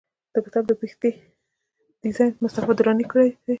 د کتاب د پښتۍ ډیزاین مصطفی دراني کړی دی.